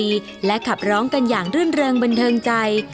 ชาวบ้านเล่นดนตรีและขับร้องกันอย่างเรื่องเบนเทิงใจ